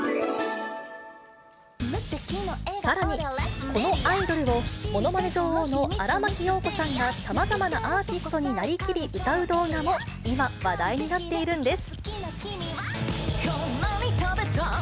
さらに、このアイドルをものまね女王の荒牧陽子さんがさまざまなアーティストになりきり、歌う動画も今、話題になっているんです。